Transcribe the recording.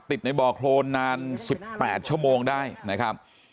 ในบ่อโครนนาน๑๘ชั่วโมงได้นะครับ